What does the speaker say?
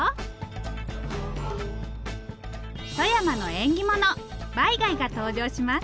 富山の縁起物バイ貝が登場します。